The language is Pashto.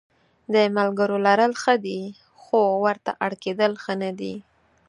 د ملګرو لرل ښه دي خو ورته اړ کېدل ښه نه دي.